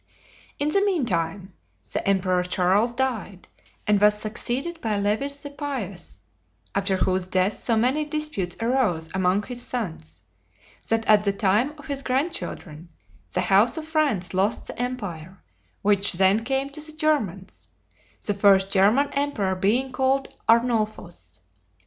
In the meantime, the Emperor Charles died and was succeeded by Lewis (the Pious), after whose death so many disputes arose among his sons, that at the time of his grandchildren, the house of France lost the empire, which then came to the Germans; the first German emperor being called Arnolfus.